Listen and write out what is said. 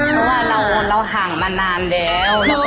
เพราะว่าเราห่างมานานแล้ว